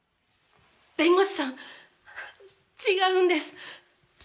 弁護士さん違うんです！